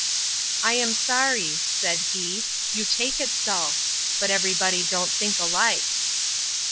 I am sorry, said he, you take it so: but every body don't think alike.